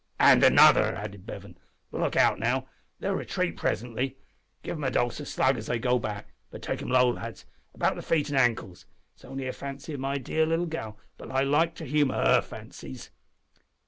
"And another," added Bevan; "but look out now; they'll retreat presently. Give 'em a dose o' slug as they go back, but take 'em low, lads about the feet and ankles. It's only a fancy of my dear little gal, but I like to humour her fancies."